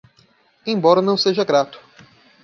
Embora não seja grato